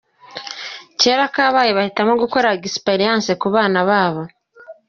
Kera kabaye bahitamo gukora ‘experience’ ku bana babo.